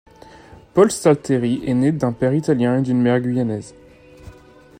Paul Stalteri est né d'un père italien et d'une mère guyanaise.